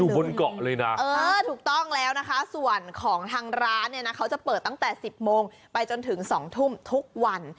บนเกาะเลยนะถูกต้องแล้วนะคะส่วนของทางร้านเนี่ยนะเขาจะเปิดตั้งแต่๑๐โมงไปจนถึง๒ทุ่มทุกวัน